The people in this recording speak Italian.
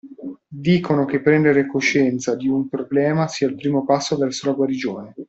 Dicono che prendere coscienza di un problema sia il primo passo verso la guarigione.